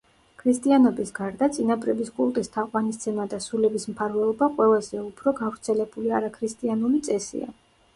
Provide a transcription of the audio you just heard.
ქრისტიანობის გარდა, წინაპრების კულტის თაყვანისცემა და სულების მფარველობა ყველაზე უფრო გავრცელებული არაქრისტიანული წესია.